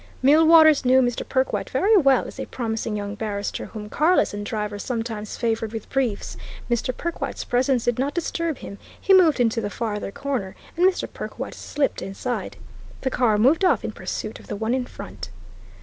Millwaters knew Mr. Perkwite very well as a promising young barrister whom Carless and Driver sometimes favoured with briefs. Mr. Perkwite's presence did not disturb him; he moved into the farther corner, and Mr. Perkwite slipped inside. The car moved off in pursuit of the one in front.